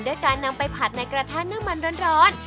การนำไปผัดในกระทะน้ำมันร้อน